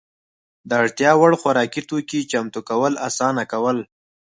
د اړتیا وړ خوراکي توکو چمتو کول اسانه کول.